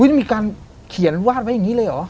ได้มีการเขียนวาดไว้อย่างนี้เลยเหรอ